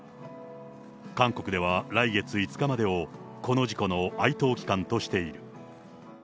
韓国では来月５日までを、この事故の哀悼期間としている。